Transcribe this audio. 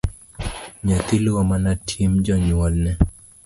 Nyathi luwo mana tim janyuolne.